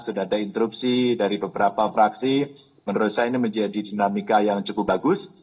sudah ada interupsi dari beberapa fraksi menurut saya ini menjadi dinamika yang cukup bagus